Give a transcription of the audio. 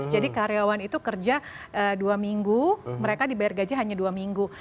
jadi karyawan itu kerja dua minggu mereka dibayar gaji hanya dua minggu